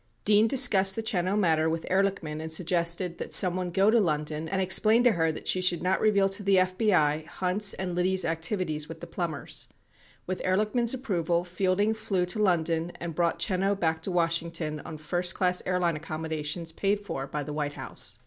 Dean discussed the Chenow matter with Ehrlich man and suggested that someone go to London and explain to her that she should not reveal to the FBI Hunt's and Liddy's activities with the Plumbers. With Ehrlichman's approval, Fielding flew to London and brought Chenow back to Washington on first class airline accommodations paid for by the White House.